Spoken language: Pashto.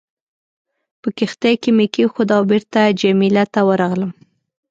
په کښتۍ کې مې کېښوده او بېرته جميله ته ورغلم.